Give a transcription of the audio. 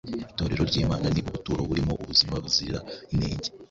Itorero ry’Imana ni ubuturo burimo ubuzima buzira inenge,